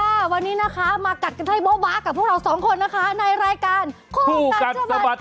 วันนี้นะคะมากัดกันให้โบ๊บะกับพวกเราสองคนนะคะในรายการคู่กัดสะบัด